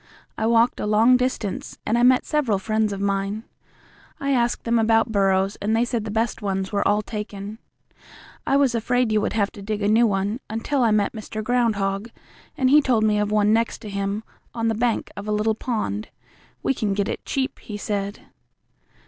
I walked a long distance, and I met several friends of mine. I asked them about burrows, and they said the best ones were all taken. I was afraid you would have to dig a new one, until I met Mr. Groundhog, and he told me of one next to him, on the bank of a little pond. We can get it cheap, he said."